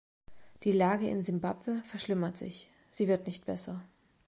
Die Lage in Simbabwe verschlimmert sich, sie wird nicht besser.